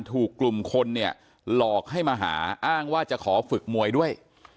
ถูกกลุ่มคนเนี่ยหลอกให้มาหาอ้างว่าจะขอฝึกมวยด้วย